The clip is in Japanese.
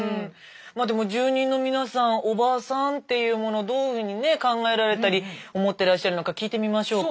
まあでも住人の皆さん「おばさん」っていうものをどういうふうにね考えられたり思ってらっしゃるのか聞いてみましょうか。